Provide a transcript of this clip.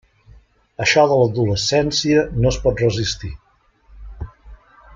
Això de l'adolescència no es pot resistir.